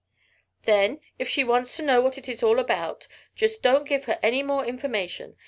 "Then, if she wants to know what it is all about, just don't give her any more information.